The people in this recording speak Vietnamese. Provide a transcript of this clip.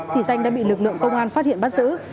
thì danh đã bị lực lượng công an phát hiện bắt giữ